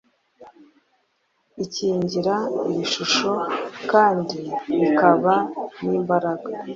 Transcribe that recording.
ikingira ibishuko kandi ikaba n’imbaraga